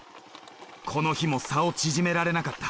この日も差を縮められなかった。